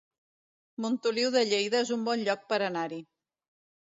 Montoliu de Lleida es un bon lloc per anar-hi